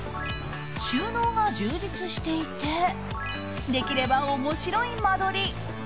収納が充実していてできれば面白い間取り。